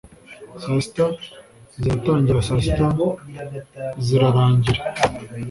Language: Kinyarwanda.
Saa sita ziratangira saa sita zirarangira